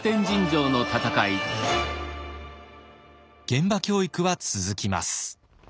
現場教育は続きます。